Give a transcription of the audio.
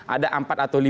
ada empat atau lima